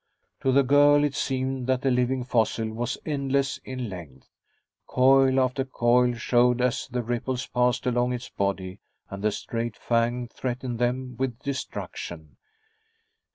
To the girl, it seemed that the living fossil was endless in length. Coil after coil showed as the ripples passed along its body and the straight fang threatened them with destruction.